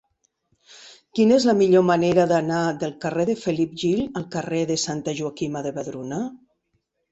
Quina és la millor manera d'anar del carrer de Felip Gil al carrer de Santa Joaquima de Vedruna?